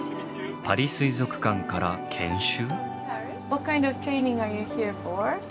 パリ水族館から研修？